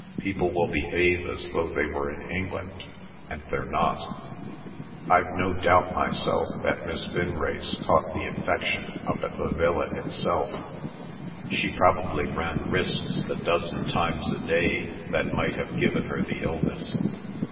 "People will behave as though they were in England, and they're not. I've no doubt myself that Miss Vinrace caught the infection up at the villa itself. She probably ran risks a dozen times a day that might have given her the illness.